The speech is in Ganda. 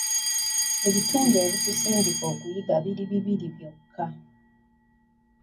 Ebitundu ebitusindika okuyiga biri bibiri byokka.